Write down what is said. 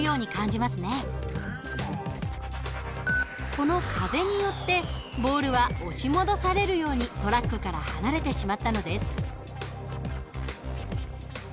この風によってボールは押し戻されるようにトラックから離れてしまったのです。